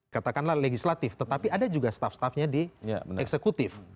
katakanlah legislatif tetapi ada juga staff staffnya di eksekutif